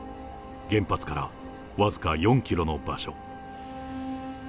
原発から僅か４キロの場所。